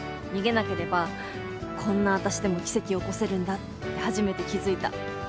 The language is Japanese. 逃げなければこんな私でも奇跡起こせるんだって初めて気付いた。